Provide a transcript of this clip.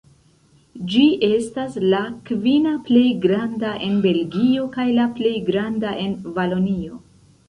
Ĝi estas la kvina plej granda en Belgio kaj la plej granda en Valonio.